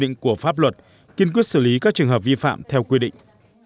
quy định của pháp luật kiên quyết xử lý các trường hợp vi phạm theo quy định